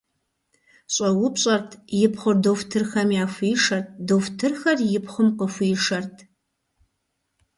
Щӏэупщӏэрт, и пхъур дохутырхэм яхуишэрт, дохутырхэр и пхъум къыхуишэрт.